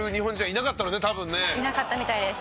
いなかったみたいです。